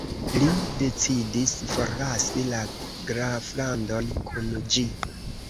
Li decidis forlasi la Graflandon kun ĝi.